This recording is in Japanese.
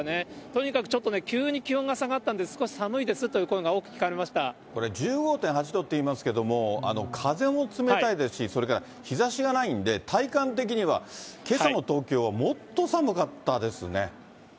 とにかくちょっと、急に気温が下がったんで、少し寒いですというこれ、１５．８度といいますけど、風も冷たいですし、それから日ざしがないんで、体感的には、けさも東京はもっと寒かったですね。